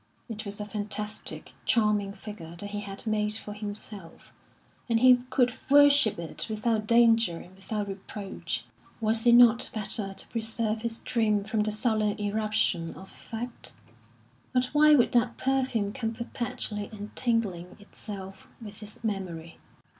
It was a fantastic, charming figure that he had made for himself, and he could worship it without danger and without reproach. Was it not better to preserve his dream from the sullen irruption of fact? But why would that perfume come perpetually entangling itself with his memory?